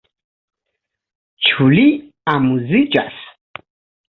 Ĉu li amuziĝas?